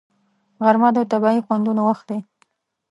غرمه د طبیعي خوندونو وخت دی